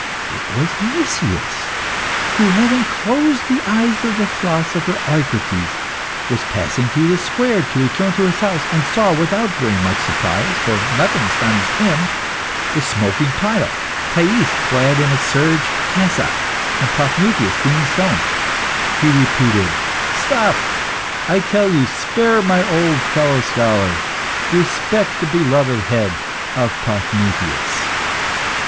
It was Nicias, who, having closed the eyes of the philosopher Eucrites, was passing through the square to return to his house, and saw, without very much surprise (for nothing astonished him), the smoking pile, Thais clad an a serge cassock, and Paphnutius being stoned. He repeated "Stop, I tell you; spare my old fellow scholar; respect the beloved head of Paphnutius!"